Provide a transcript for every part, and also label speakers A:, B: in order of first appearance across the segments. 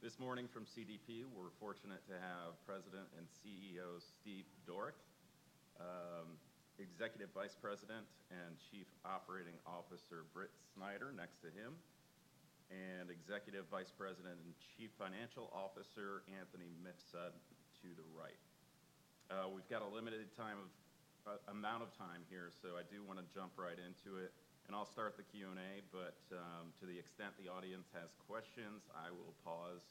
A: Warehouse and cold storage, read analyst. This morning from COPT Defense Properties, we're fortunate to have President and CEO Steve Budorick, Executive Vice President and Chief Operating Officer Britt Snider next to him, and Executive Vice President and Chief Financial Officer Anthony Mifsud to the right. We've got a limited amount of time here, so I do want to jump right into it, and I'll start the Q&A, but to the extent the audience has questions, I will pause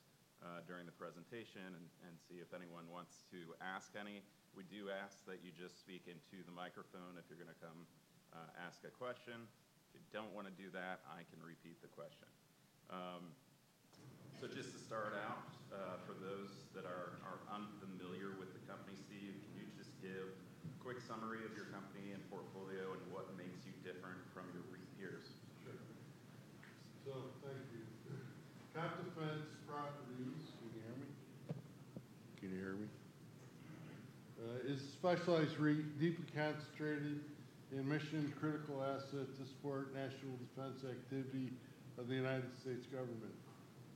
A: during the presentation and see if anyone wants to ask any. We do ask that you just speak into the microphone if you're going to come ask a question. If you don't want to do that, I can repeat the question. So just to start out, for those that are unfamiliar with the company, Steve, can you just give a quick summary of your company and portfolio and what makes you different from your REIT peers?
B: Sure. So thank you. COPT Defense Properties. Can you hear me? Can you hear me? is specialized, re deeply concentrated in mission critical asset to support national defense activity of the United States government.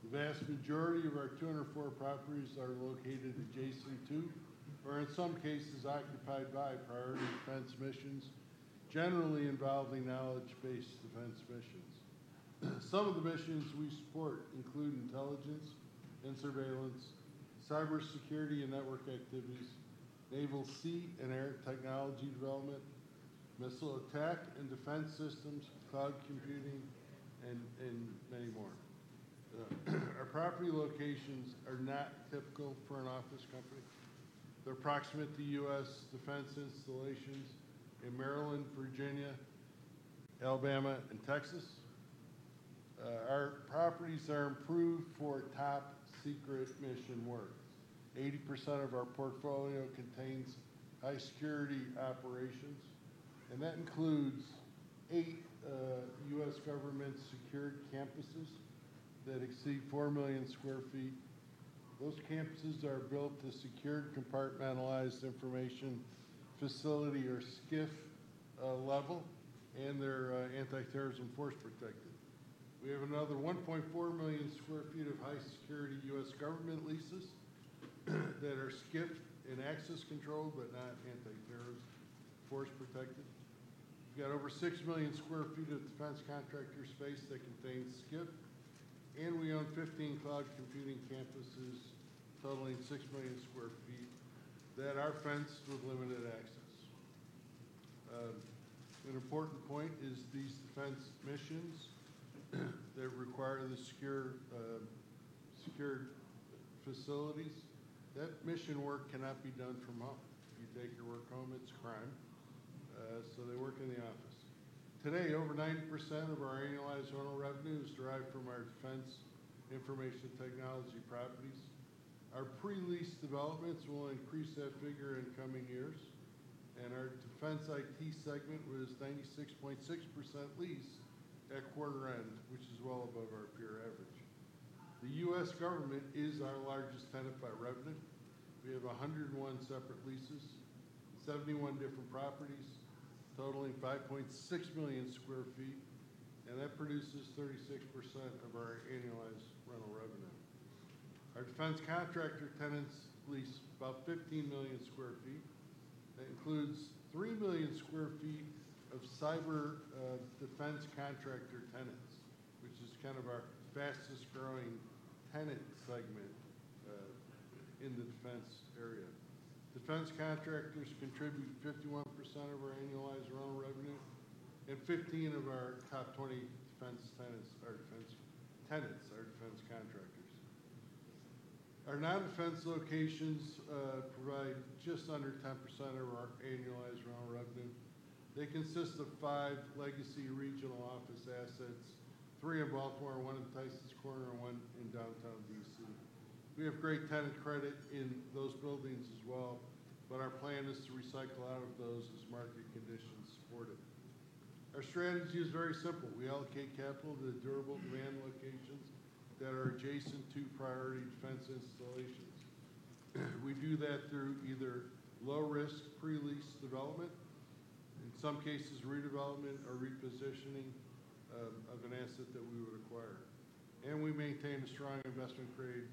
B: The vast majority of our 204 properties are located adjacent to, or in some cases occupied by, priority defense missions, generally involving knowledge-based defense missions. Some of the missions we support include intelligence and surveillance, cybersecurity and network activities, naval sea and air technology development, missile attack and defense systems, cloud computing, and, and many more. our property locations are not typical for an office company. They're proximate to U.S. defense installations in Maryland, Virginia, Alabama, and Texas. our properties are improved for top secret mission work. 80% of our portfolio contains high security operations, and that includes eight U.S. government secured campuses that exceed 4 million sq ft. Those campuses are built to secure compartmentalized information facility or SCIF level, and they're anti-terrorism force protected. We have another 1.4 million sq ft of high security U.S. government leases that are SCIF and access controlled but not anti-terrorism force protected. We've got over 6 million sq ft of defense contractor space that contains SCIF, and we own 15 cloud computing campuses totaling 6 million sq ft that are fenced with limited access. An important point is these defense missions that require the secure, secured facilities. That mission work cannot be done from home. If you take your work home, it's a crime. So they work in the office. Today, over 90% of our annualized rental revenue is derived from our defense information technology properties. Our pre-lease developments will increase that figure in coming years, and our defense IT segment was 96.6% lease at quarter end, which is well above our peer average. The U.S. government is our largest tenant by revenue. We have 101 separate leases, 71 different properties totaling 5.6 million sq ft, and that produces 36% of our annualized rental revenue. Our defense contractor tenants lease about 15 million sq ft. That includes 3 million sq ft of cyber, defense contractor tenants, which is kind of our fastest growing tenant segment, in the defense area. Defense contractors contribute 51% of our annualized rental revenue, and 15 of our top 20 defense tenants are defense contractors. Our non-defense locations provide just under 10% of our annualized rental revenue. They consist of five legacy regional office assets, three in Baltimore, one in Tyson's Corner, and one in downtown DC. We have great tenant credit in those buildings as well, but our plan is to recycle out of those as market conditions support it. Our strategy is very simple. We allocate capital to durable demand locations that are adjacent to priority defense installations. We do that through either low-risk pre-lease development, in some cases redevelopment or repositioning of an asset that we would acquire, and we maintain a strong investment grade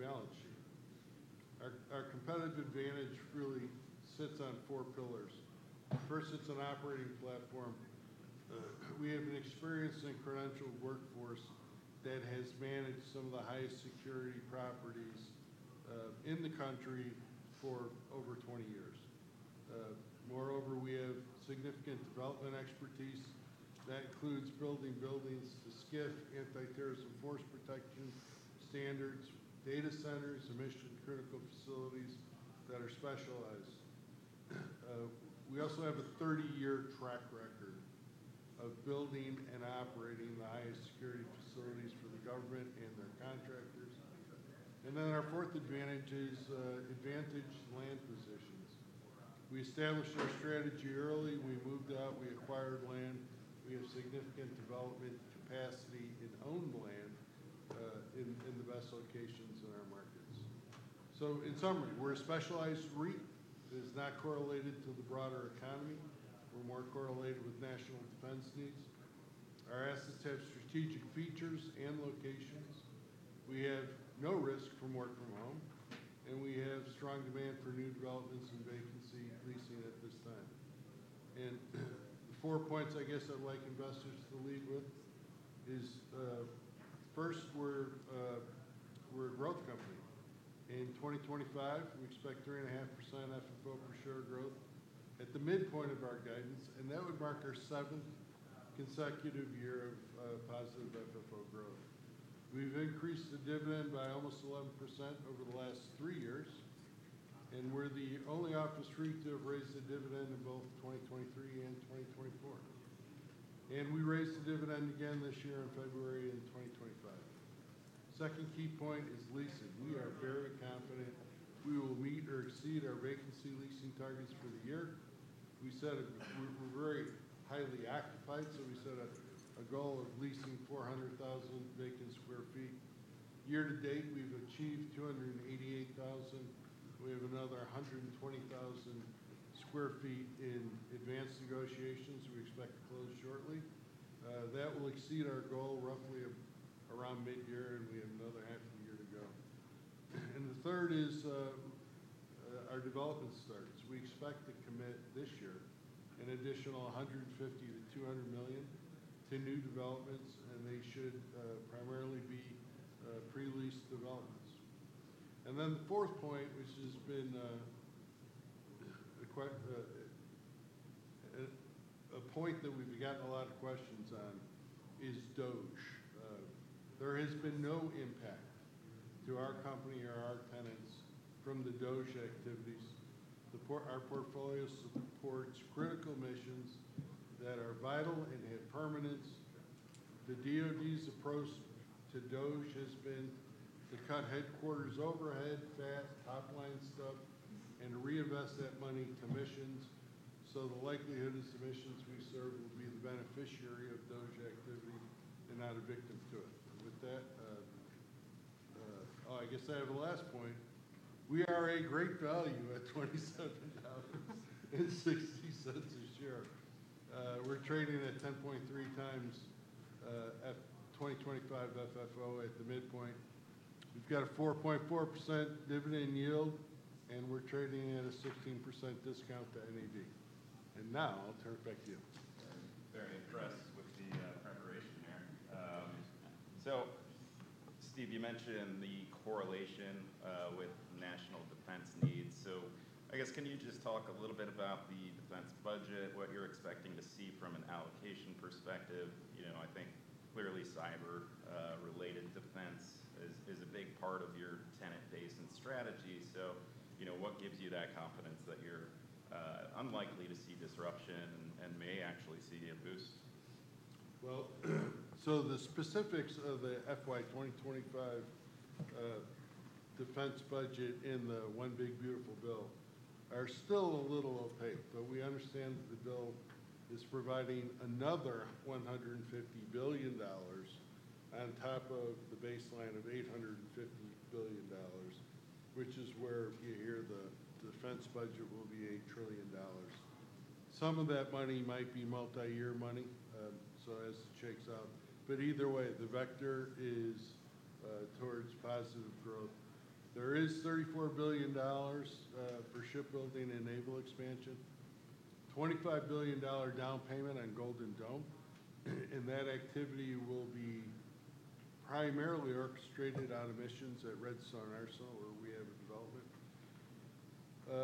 B: balance sheet. Our competitive advantage really sits on four pillars. First, it's an operating platform. We have an experienced and credentialed workforce that has managed some of the highest security properties in the country for over 20 years. Moreover, we have significant development expertise. That includes building buildings to SCIF, anti-terrorism force protection standards, data centers, and mission critical facilities that are specialized. We also have a 30-year track record of building and operating the highest security facilities for the government and their contractors. Our fourth advantage is advantaged land positions. We established our strategy early. We moved out. We acquired land. We have significant development capacity in owned land, in the best locations in our markets. In summary, we're a specialized REIT that is not correlated to the broader economy. We're more correlated with national defense needs. Our assets have strategic features and locations. We have no risk from work from home, and we have strong demand for new developments and vacancy leasing at this time. The four points I guess I'd like investors to leave with is, first, we're a growth company. In 2025, we expect 3.5% FFO per share growth at the midpoint of our guidance, and that would mark our seventh consecutive year of positive FFO growth. We've increased the dividend by almost 11% over the last three years, and we're the only office REIT to have raised the dividend in both 2023 and 2024. We raised the dividend again this year in February in 2025. Second key point is leasing. We are very confident we will meet or exceed our vacancy leasing targets for the year. We are very highly occupied, so we set a goal of leasing 400,000 vacant sq ft. Year to date, we have achieved 288,000. We have another 120,000 sq ft in advanced negotiations we expect to close shortly. That will exceed our goal roughly around mid-year, and we have another half a year to go. The third is our development starts. We expect to commit this year an additional $150 million-$200 million to new developments, and they should primarily be pre-lease developments. The fourth point, which has been quite a point that we have gotten a lot of questions on, is DOGE. There has been no impact to our company or our tenants from the DOD activities. Our portfolio supports critical missions that are vital and have permanence. The DOD's approach to DOD has been to cut headquarters overhead, fat, top line stuff, and reinvest that money to missions. The likelihood is the missions we serve will be the beneficiary of DOD activity and not a victim to it. I guess I have a last point. We are a great value at $27.60 a share. We're trading at 10.3 times F 2025 FFO at the midpoint. We've got a 4.4% dividend yield, and we're trading at a 16% discount to NAV. Now I'll turn it back to you. Very impressed with the preparation here. Steve, you mentioned the correlation with national defense needs. I guess can you just talk a little bit about the defense budget, what you're expecting to see from an allocation perspective? You know, I think clearly cyber-related defense is a big part of your tenant base and strategy. You know, what gives you that confidence that you're unlikely to see disruption and may actually see a boost? The specifics of the FY 2025 defense budget in the One Big Beautiful Bill are still a little opaque, but we understand that the bill is providing another $150 billion on top of the baseline of $850 billion, which is where you hear the defense budget will be $1 trillion. Some of that money might be multi-year money, as it shakes out. Either way, the vector is towards positive growth. There is $34 billion for shipbuilding and naval expansion, $25 billion down payment on Golden Dome, and that activity will be primarily orchestrated on missions at Redstone Arsenal, where we have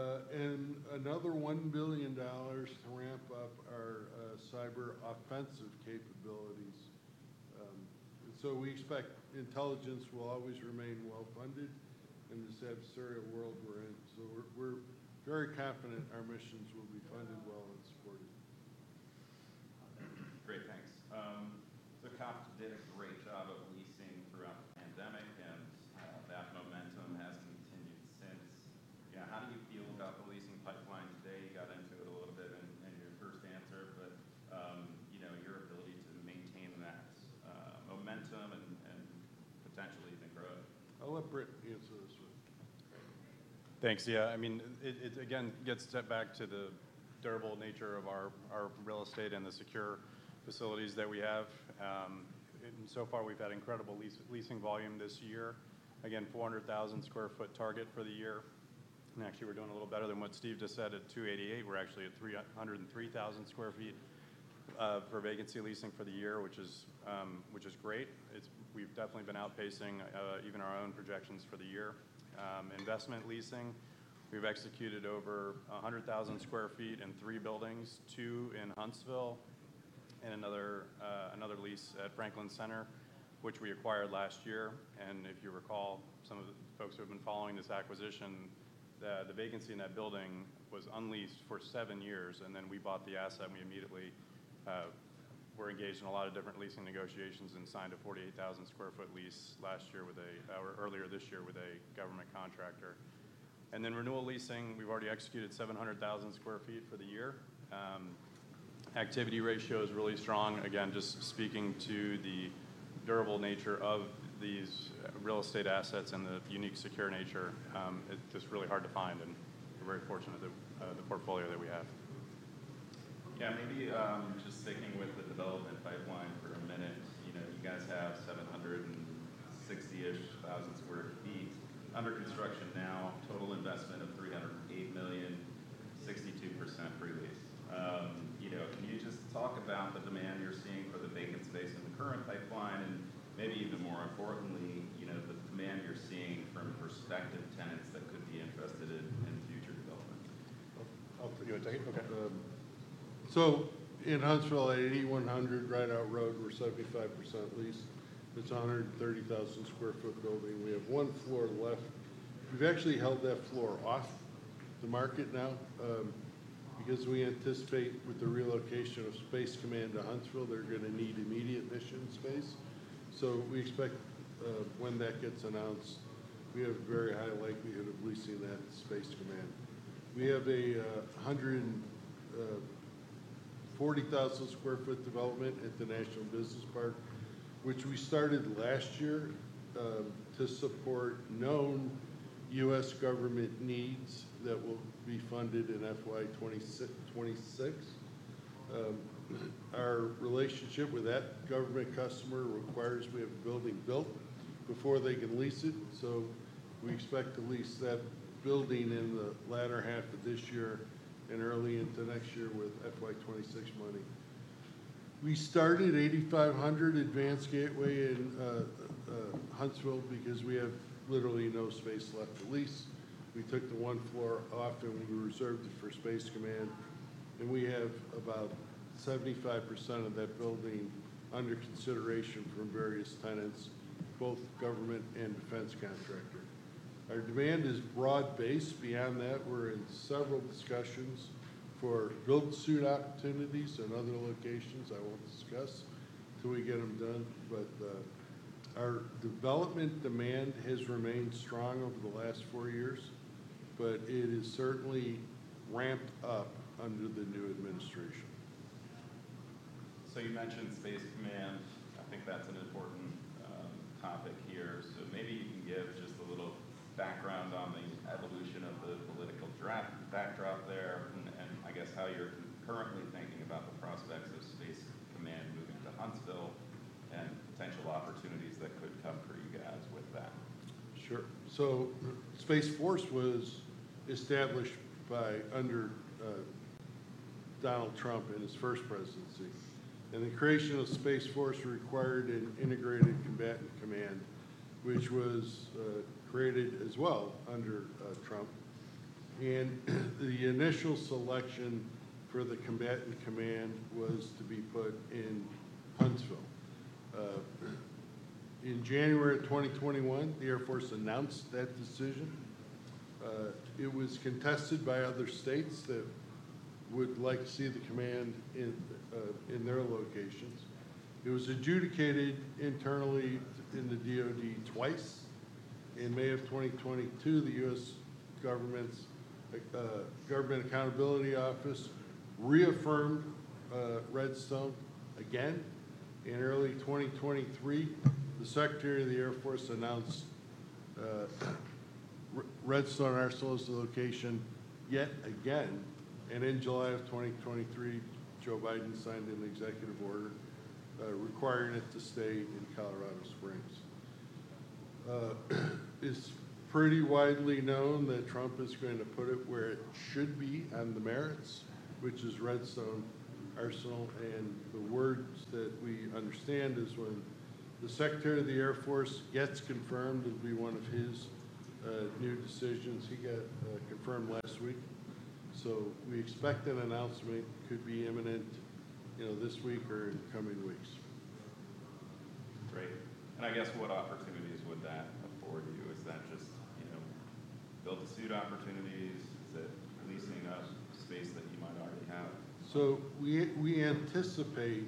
B: a development, and another $1 billion to ramp up our cyber offensive capabilities. We expect intelligence will always remain well funded in this adversarial world we're in. We're very confident our missions will be funded well and supported. Great. Thanks. COPT did a great job of leasing throughout the pandemic, and that momentum has continued since. Yeah. How do you feel about the leasing pipeline today? You got into it a little bit in your first answer, but, you know, your ability to maintain that momentum and potentially even grow? I'll let Britt answer this one.
C: Thanks. Yeah. I mean, it again gets set back to the durable nature of our real estate and the secure facilities that we have. And so far we've had incredible leasing volume this year. Again, 400,000 sq ft target for the year. And actually we're doing a little better than what Steve just said at 288. We're actually at 303,000 sq ft for vacancy leasing for the year, which is great. We've definitely been outpacing even our own projections for the year. Investment leasing, we've executed over 100,000 sq ft in three buildings, two in Huntsville and another lease at Franklin Center, which we acquired last year. If you recall, some of the folks who have been following this acquisition, the vacancy in that building was unleased for seven years, and then we bought the asset and we immediately were engaged in a lot of different leasing negotiations and signed a 48,000 sq ft lease last year with a, or earlier this year with a government contractor. Then renewal leasing, we've already executed 700,000 sq ft for the year. Activity ratio is really strong. Again, just speaking to the durable nature of these real estate assets and the unique secure nature, it's just really hard to find, and we're very fortunate that, the portfolio that we have. Yeah. Maybe, just sticking with the development pipeline for a minute, you know, you guys have 760,000-ish sq ft under construction now, total investment of $308 million, 62% pre-lease. you know, can you just talk about the demand you're seeing for the vacant space in the current pipeline and maybe even more importantly, you know, the demand you're seeing from prospective tenants that could be interested in, in future development?
B: I'll put you on tape.
C: Okay. In Huntsville at 8100 Rideout Road, we're 75% leased. It's a 130,000 sq ft building. We have one floor left. We've actually held that floor off the market now, because we anticipate with the relocation of Space Command to Huntsville, they're gonna need immediate mission space. We expect, when that gets announced, we have a very high likelihood of leasing that to Space Command. We have a 140,000 sq ft development at the National Business Park, which we started last year, to support known U.S. government needs that will be funded in fiscal year 2026. Our relationship with that government customer requires we have a building built before they can lease it. We expect to lease that building in the latter half of this year and early into next year with fiscal year 2026 money. We started 8500 Advanced Gateway in Huntsville because we have literally no space left to lease. We took the one floor off and we reserved it for Space Command, and we have about 75% of that building under consideration from various tenants, both government and defense contractor. Our demand is broad-based. Beyond that, we're in several discussions for build suit opportunities and other locations. I won't discuss till we get them done, but our development demand has remained strong over the last four years, but it is certainly ramped up under the new administration. You mentioned Space Command. I think that's an important topic here. Maybe you can give just a little background on the evolution of the political draft backdrop there and, I guess, how you're currently thinking about the prospects of Space Command moving to Huntsville and potential opportunities that could come for you guys with that.
B: Sure. Space Force was established by, under, Donald Trump in his first presidency, and the creation of Space Force required an integrated combatant command, which was, created as well under, Trump. The initial selection for the combatant command was to be put in Huntsville. In January 2021, the Air Force announced that decision. It was contested by other states that would like to see the command in, in their locations. It was adjudicated internally in the DOD twice. In May of 2022, the U.S. Government Accountability Office reaffirmed Redstone again. In early 2023, the Secretary of the Air Force announced Redstone Arsenal's location yet again. In July of 2023, Joe Biden signed an executive order requiring it to stay in Colorado Springs. It's pretty widely known that Trump is going to put it where it should be on the merits, which is Redstone Arsenal. The words that we understand is when the Secretary of the Air Force gets confirmed, it'll be one of his new decisions. He got confirmed last week. We expect an announcement could be imminent, you know, this week or in coming weeks. Great. I guess what opportunities would that afford you? Is that just, you know, build suit opportunities? Is it leasing up space that you might already have? We anticipate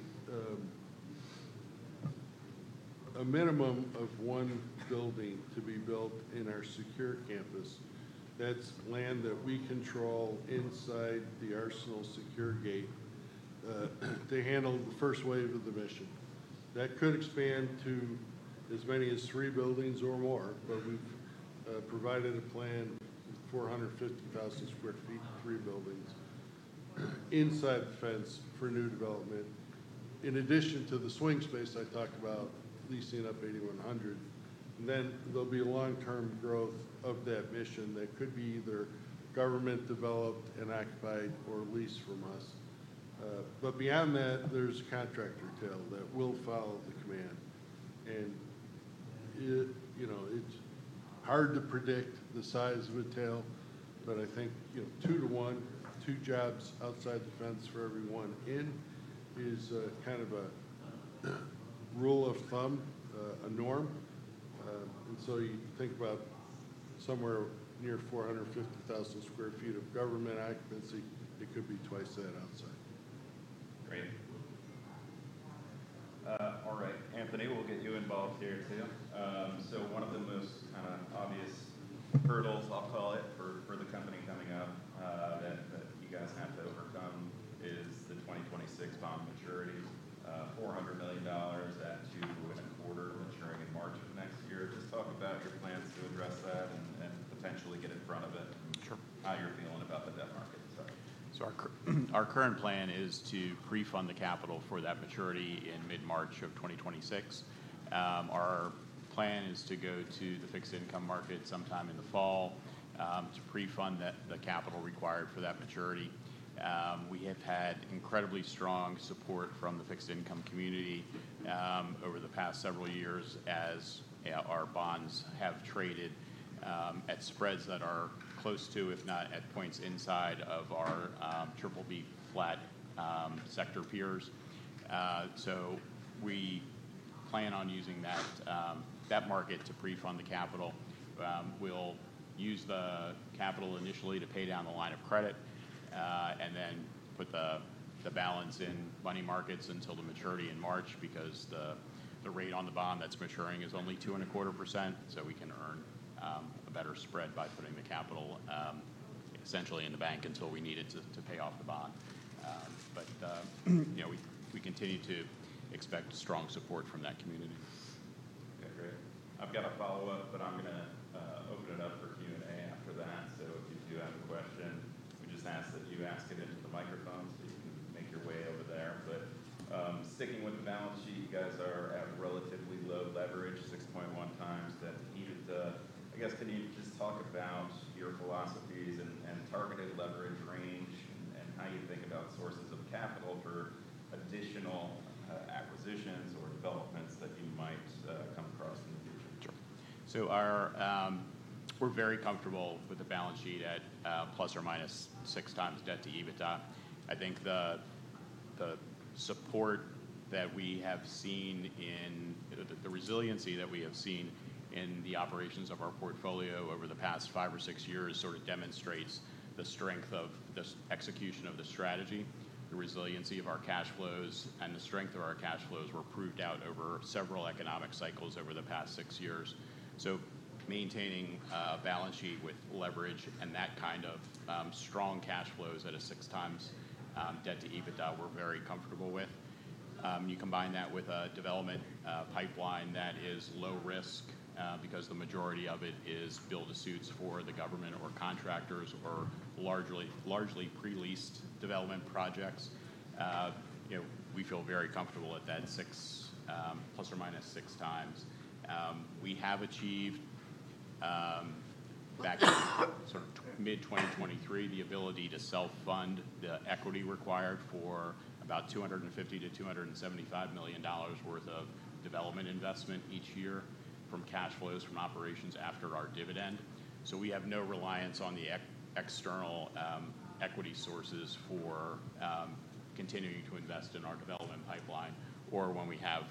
B: a minimum of one building to be built in our secure campus. That's land that we control inside the Arsenal secure gate, to handle the first wave of the mission. That could expand to as many as three buildings or more, but we've provided a plan, 450,000 sq ft, three buildings inside the fence for new development, in addition to the swing space I talked about, leasing up 8,100. Then there'll be a long-term growth of that mission that could be either government developed and occupied or leased from us. Beyond that, there's a contractor tail that will follow the command. It, you know, it's hard to predict the size of a tail, but I think, you know, two to one, two jobs outside the fence for every one in is kind of a rule of thumb, a norm. and so you think about somewhere near 450,000 sq ft of government occupancy, it could be twice that outside. Great. All right. Anthony, we'll get you involved here too. So one of the most kind of obvious hurdles, I'll call it, for the company coming up, that you guys have to overcome is the 2026 bond maturity, $400 million, that to a quarter maturing in March of next year. Just talk about your plans to address that and potentially get in front of it and how you're feeling about the debt market.
D: So. Our current plan is to prefund the capital for that maturity in mid-March of 2026. Our plan is to go to the fixed income market sometime in the fall, to prefund the capital required for that maturity. We have had incredibly strong support from the fixed income community over the past several years as our bonds have traded at spreads that are close to, if not at points inside of, our triple B flat sector peers. We plan on using that market to prefund the capital. We'll use the capital initially to pay down the line of credit, and then put the balance in money markets until the maturity in March because the rate on the bond that's maturing is only 2.25%. We can earn a better spread by putting the capital essentially in the bank until we need it to pay off the bond. But, you know, we continue to expect strong support from that community. Okay. Great. I've got a follow-up, but I'm gonna open it up for Q and A after that. If you do have a question, we just ask that you ask it into the microphone so you can make your way over there. Sticking with the balance sheet, you guys are at relatively low leverage, 6.1 times. Can you just talk about your philosophies and targeted leverage range and how you think about sources of capital for additional acquisitions or developments that you might come across in the future? Sure. Our, we're very comfortable with the balance sheet at, plus or minus six times debt to EBITDA. I think the support that we have seen in the, the resiliency that we have seen in the operations of our portfolio over the past five or six years sort of demonstrates the strength of the execution of the strategy, the resiliency of our cash flows, and the strength of our cash flows were proved out over several economic cycles over the past six years. Maintaining a balance sheet with leverage and that kind of strong cash flows at a six times debt to EBITDA, we're very comfortable with. You combine that with a development pipeline that is low risk, because the majority of it is build suits for the government or contractors or largely, largely pre-leased development projects. You know, we feel very comfortable at that six, plus or minus six times. We have achieved, back in sort of mid-2023, the ability to self-fund the equity required for about $250 million-$275 million worth of development investment each year from cash flows from operations after our dividend. We have no reliance on external equity sources for continuing to invest in our development pipeline or when we have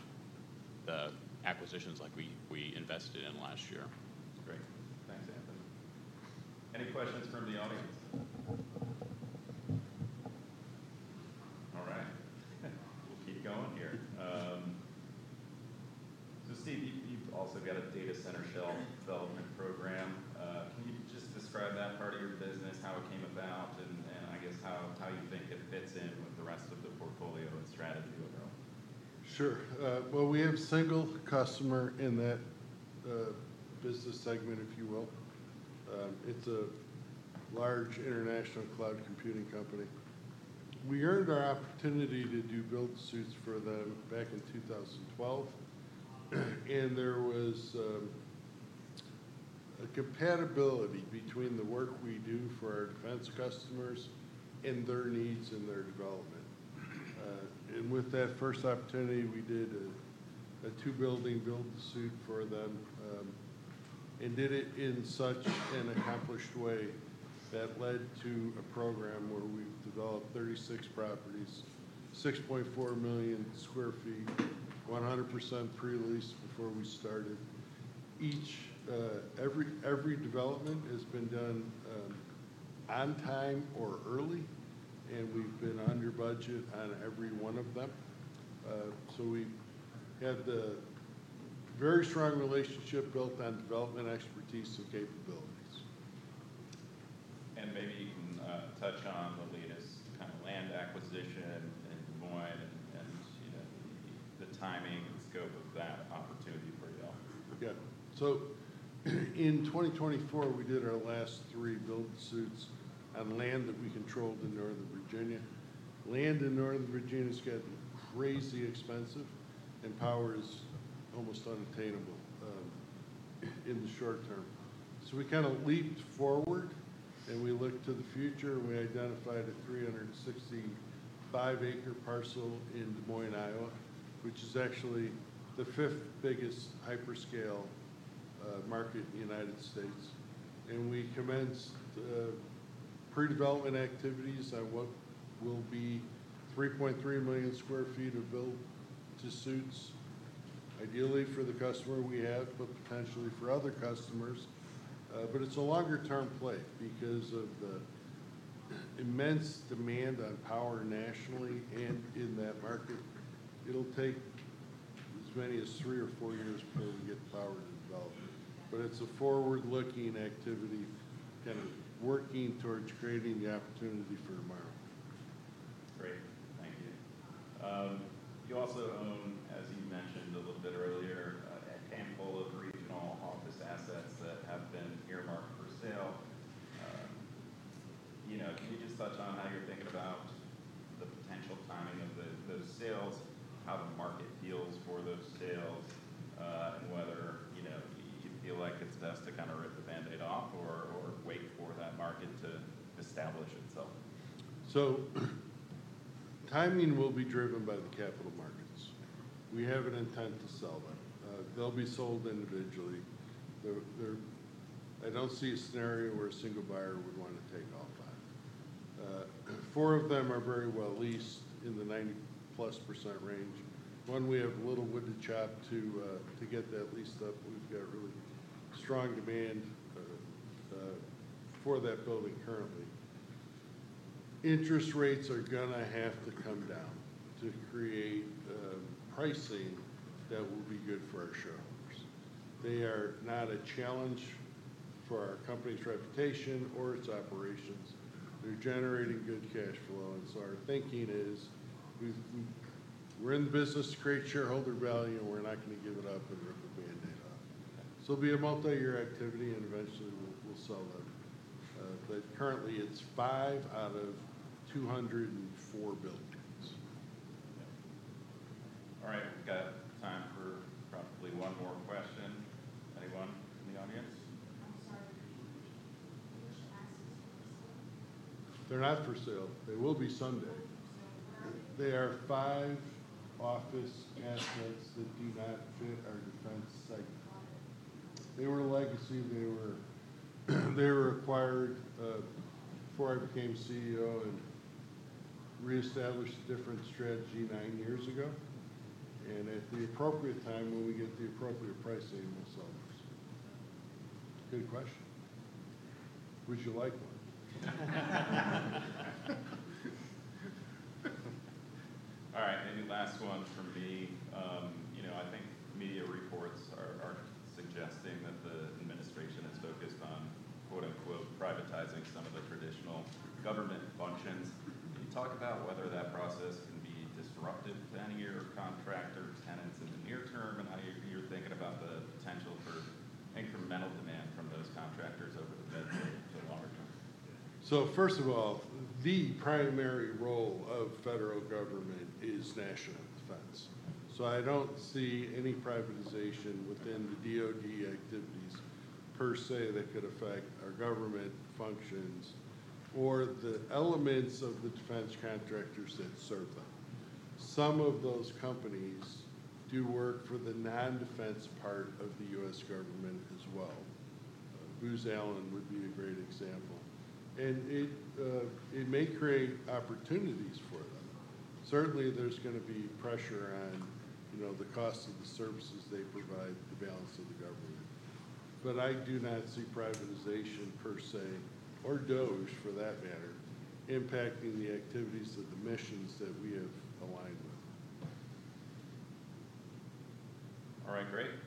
D: the acquisitions like we invested in last year. Great. Thanks, Anthony. Any questions from the audience? All right. We'll keep going here. So Steve, you've also got a data center shelf development program. Can you just describe that part of your business, how it came about, and, and I guess how, how you think it fits in with the rest of the portfolio and strategy overall?
B: Sure. We have a single customer in that business segment, if you will. It's a large international cloud computing company. We earned our opportunity to do build-to-suits for them back in 2012, and there was a compatibility between the work we do for our defense customers and their needs and their development. With that first opportunity, we did a two-building build-to-suit for them, and did it in such an accomplished way that it led to a program where we've developed 36 properties, 6.4 million sq ft, 100% pre-leased before we started. Every development has been done on time or early, and we've been under budget on every one of them. We have a very strong relationship built on development expertise and capabilities. Maybe you can touch on the latest kind of land acquisition in Des Moines and, you know, the timing and scope of that opportunity for y'all. Yeah. In 2024, we did our last three build to suits on land that we controlled in Northern Virginia. Land in Northern Virginia has gotten crazy expensive and power is almost unattainable in the short term. We kind of leaped forward and we looked to the future and we identified a 365-acre parcel in Des Moines, Iowa, which is actually the fifth biggest hyperscale market in the United States. We commenced pre-development activities on what will be 3.3 million sq ft of build to suits, ideally for the customer we have, but potentially for other customers. It's a longer-term play because of the immense demand on power nationally and in that market. It'll take as many as three or four years till we get power to develop. It's a forward-looking activity, kind of working towards creating the opportunity for tomorrow. Great. Thank you. You also own, as you mentioned a little bit earlier, a handful of regional office assets that have been earmarked for sale. You know, can you just touch on how you're thinking about the potential timing of those sales, how the market feels for those sales, and whether, you know, you feel like it's best to kind of rip the Band-Aid off or wait for that market to establish itself? Timing will be driven by the capital markets. We have an intent to sell them. They'll be sold individually. I don't see a scenario where a single buyer would want to take all five. Four of them are very well leased in the 90% plus range. One, we have a little wood to chop to get that leased up. We've got really strong demand for that building currently. Interest rates are gonna have to come down to create pricing that will be good for our shareholders. They are not a challenge for our company's reputation or its operations. They're generating good cash flow. Our thinking is we're in the business to create shareholder value, and we're not gonna give it up and rip the Band-Aid off. It'll be a multi-year activity, and eventually we'll sell them. Currently it's five out of 204 buildings.
C: Okay. All right. We've got time for probably one more question. Anyone in the audience? I'm sorry. Are these officially accessed for sale?
B: They're not for sale. They will be Sunday. They are for sale? They are five office assets that do not fit our defense segment. They were legacy. They were acquired before I became CEO and reestablished a different strategy nine years ago. At the appropriate time, when we get the appropriate pricing, we'll sell them. Good question. Would you like one? All right. Any last one from me? You know, I think media reports are suggesting that the administration has focused on, quote unquote, privatizing some of the traditional government functions. Can you talk about whether that process can be disruptive to any of your contractor tenants in the near term and how you are thinking about the potential for incremental demand from those contractors over the mid to longer term? First of all, the primary role of the federal government is national defense. I don't see any privatization within the DOD activities per se that could affect our government functions or the elements of the defense contractors that serve them. Some of those companies do work for the non-defense part of the U.S. government as well. Booz Allen would be a great example. It may create opportunities for them. Certainly, there's gonna be pressure on the cost of the services they provide to the balance of the government. I do not see privatization per se, or DOD for that matter, impacting the activities of the missions that we have aligned with. All right. Great. I wanna thank Steve, Britt, and Anthony. Thank you all for being here. Enjoy the rest of your day.